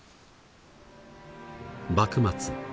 幕末。